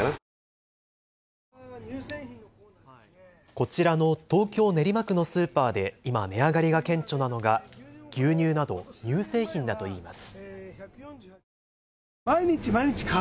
こちらの東京練馬区のスーパーで今、値上がりが顕著なのが牛乳など乳製品だといいます。